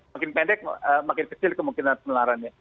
makin pendek makin kecil kemungkinan penularannya